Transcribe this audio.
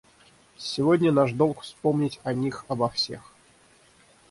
Сегодня наш долг вспомнить о них обо всех.